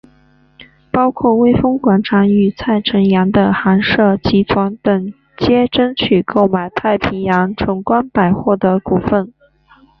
包括微风广场与蔡辰洋的寒舍集团等皆争取购买太平洋崇光百货的股份。